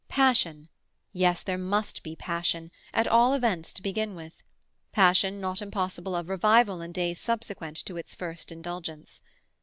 Passion—yes, there must be passion, at all events to begin with; passion not impossible of revival in days subsequent to its first indulgence.